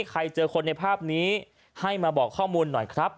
ใครเจอคนในภาพนี้ให้มาบอกข้อมูลหน่อยครับ